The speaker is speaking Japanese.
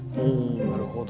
なるほど。